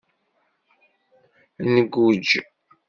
Ngujj.